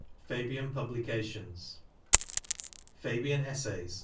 FABIAN PUBLICATIONS TABIAN ESSAYS.